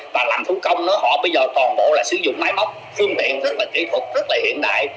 và làm thủ công nữa họ bây giờ toàn bộ là sử dụng máy móc phương tiện rất là kỹ thuật rất là hiện đại